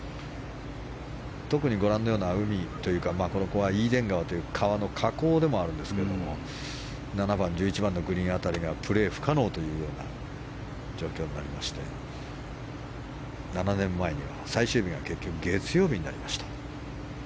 特にご覧のような海というかここはイーデン川という川の河口でもあるんですけども７番、１１番のグリーン辺りがプレー不可能というような状況になりまして７年前には最終日が結局、月曜日になりました。